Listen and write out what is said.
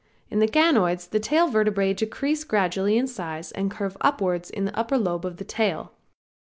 In the ganoids the tail vertebrae decrease gradually in size and curve upwards in the upper lobe of the tail.